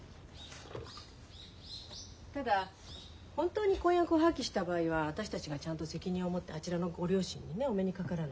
ただ本当に婚約を破棄した場合は私たちがちゃんと責任を持ってあちらのご両親にねお目にかからないと。